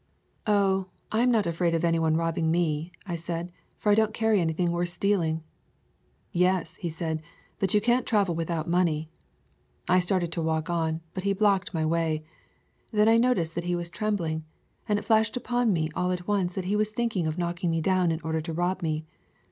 "Oh, I am not afraid of any one robbing me," I said, "for I don't carry anything worth stealing." "Yes," said he, "but you can't travel without money." I started to walk on, but he blocked my way. Then I noticed that he was trembling, and it flashed upon me all at once that he was thinking of knocking me down in order to robme.